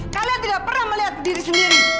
kalian tidak pernah melihat diri sendiri